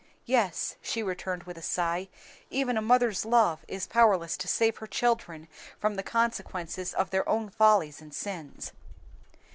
"Yes," she returned with a sigh, "even a mother's love is powerless to save her children from the consequences of their own follies and sins."